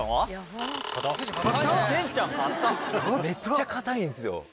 めっちゃ硬いんですよ。